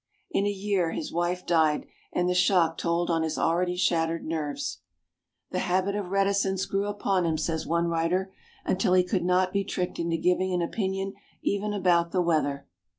In a year his wife died, and the shock told on his already shattered nerves. "The habit of reticence grew upon him," says one writer, "until he could not be tricked into giving an opinion even about the weather."